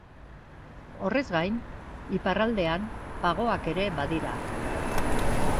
Horrez gain, iparraldean pagoak ere badira.